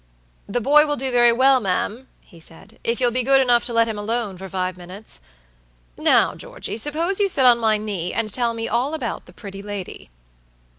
"The boy will do very well, ma'am," he said, "if you'll be good enough to let him alone for five minutes. Now, Georgey, suppose you sit on my knee, and tell me all about the pretty lady."